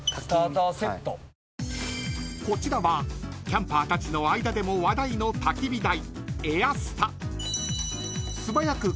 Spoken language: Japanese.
［こちらはキャンパーたちの間でも話題のたき火台］